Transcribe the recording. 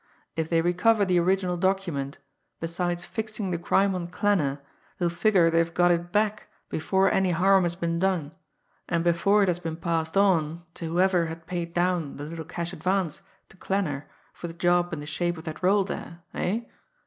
If they recover the original document, besides fixing the crime on Klanner, they'll figure they've got it back before any harm has been done, and before it has been passed on to whoever had paid down the little cash advance to Klanner for the job in the shape of that roll there eh?